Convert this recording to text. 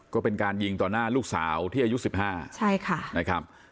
ก็เป็นการยิงต่อหน้าลูกสาวที่อายุ๑๕นะครับ